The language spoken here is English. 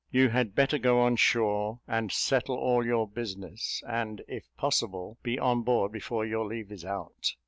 You had better go on shore, and settle all your business, and, if possible, be on board before your leave is out.